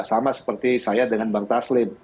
sama seperti saya dengan bang taslim